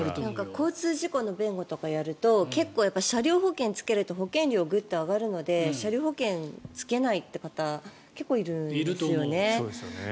交通事故の弁護とかやると結構、車両保険をつけると保険料がグッと上がるので車両保険つけないという方結構いるんですよね。